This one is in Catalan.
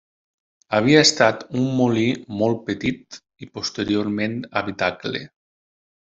Havia estat un molí molt petit i posteriorment habitacle.